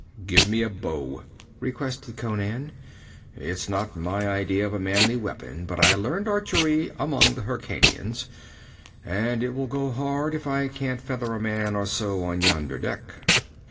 'Give me a bow,' requested Conan. 'It's not my idea of a manly weapon, but I learned archery among the Hyrkanians, and it will go hard if I can't feather a man or so on yonder deck.'